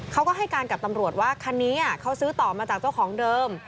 เขาก็ให้การกับตำรวจว่าคันนี้เขาซื้อต่อมาจากเจ้าของเดิม